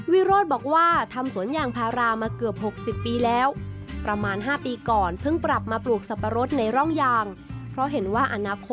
วิโรธบอกว่าทำสวนยางพารามาเกือบ๖๐ปีแล้วประมาณ๕ปีก่อนเพิ่งปรับมาปลูกสับปะรดในร่องยางเพราะเห็นว่าอนาคต